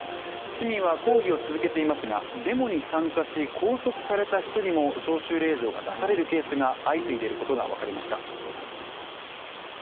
市民は抗議を続けていますがデモに参加し拘束された人にも招集令状が出されるケースが相次いで射ることが分かりました。